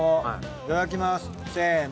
いただきますせの。